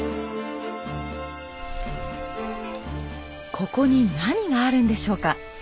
ここに何があるんでしょうか？